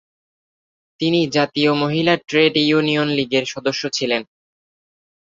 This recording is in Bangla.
তিনি জাতীয় মহিলা ট্রেড ইউনিয়ন লীগের সদস্য ছিলেন।